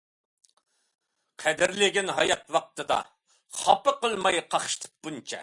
قەدىرلىگىن ھايات ۋاقتىدا، خاپا قىلماي قاقشىتىپ بۇنچە.